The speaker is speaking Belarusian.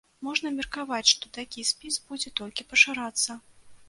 Можна меркаваць, што такі спіс будзе толькі пашырацца.